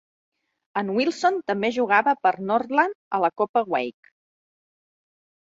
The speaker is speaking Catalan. En Wilson també jugava per Northland a la Copa Hawke.